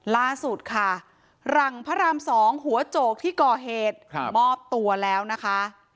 ล่าสุดค่ะหลังพระราม๒หัวโจกที่ก่อเหตุมอบตัวแล้วนะคะ